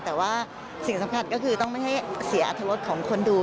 แต่ว่าสิ่งสำคัญก็คือต้องไม่ให้เสียอัตรรสของคนดู